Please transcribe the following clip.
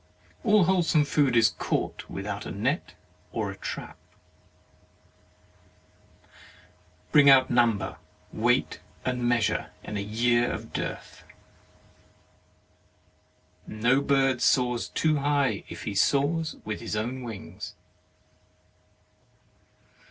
All wholesome food is caught with out a net or a trap. Bring out number, weight, and measure in a year of dearth. No bird soars too high if he soars with his own wings.